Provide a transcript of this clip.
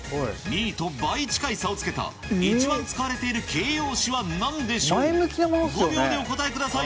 ２位と倍近い差をつけた、一番使われている形容詞はなんでしょう。